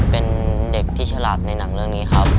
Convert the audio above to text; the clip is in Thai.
เป็นเด็กที่ฉลาดในหนังเรื่องนี้ครับ